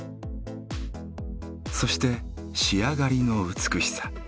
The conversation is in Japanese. そして仕上がりの美しさ。